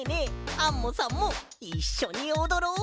アンモさんもいっしょにおどろう！